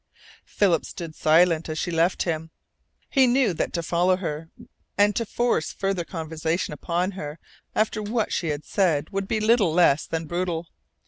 Philip stood silent as she left him. He knew that to follow her and to force further conversation upon her after what she had said would be little less than brutal.